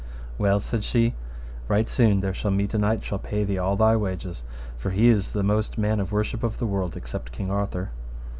Well, said she, right soon there shall meet a knight shall pay thee all thy wages, for he is the most man of worship of the world, except King Arthur.